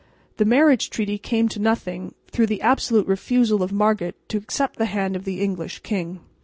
The marriage treaty came to nothing through the absolute refusal of Margaret to accept the hand of the English king.